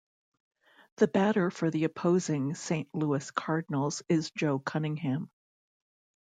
The batter for the opposing Saint Louis Cardinals is Joe Cunningham.